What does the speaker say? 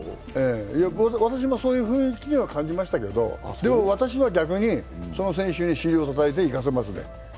私もそういう雰囲気には感じましたけどでも、私は逆にその選手の尻をたたいていかせますね。